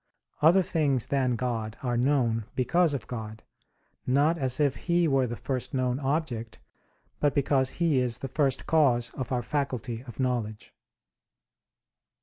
Other things than God are known because of God; not as if He were the first known object, but because He is the first cause of our faculty of knowledge.